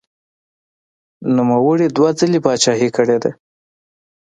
نوموړي دوه ځلې پاچاهي کړې ده.